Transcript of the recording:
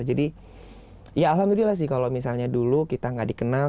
jadi ya alhamdulillah sih kalau misalnya dulu kita nggak dikenal